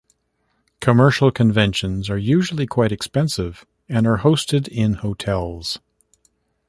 Commercial conventions are usually quite expensive and are hosted in hotels.